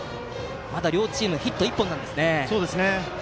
まだ両チーム、ヒット１本です。